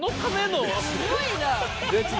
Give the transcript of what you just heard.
すごいな。